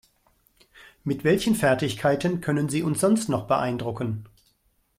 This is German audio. Mit welchen Fertigkeiten können Sie uns sonst noch beeindrucken?